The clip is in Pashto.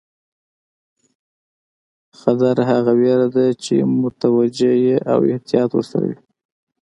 حذر هغه وېره ده چې متوجه یې او احتیاط ورسره وي.